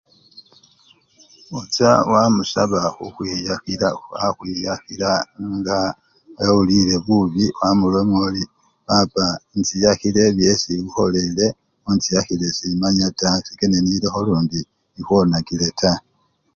Ucha wamusaba khukhwiyakhila wakhwiyakhila nga ewulile bubi wamuloma ori papa enchiyakhile byesi ekhukholele onchiyakhile semanyile taa, sendelakho lundi ekhwonakile taa.